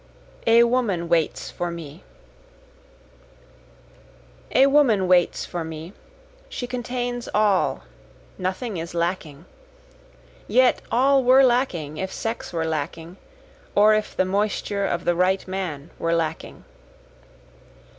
A Woman Waits for Me A woman waits for me, she contains all, nothing is lacking, Yet all were lacking if sex were lacking, or if the moisture of the right man were lacking.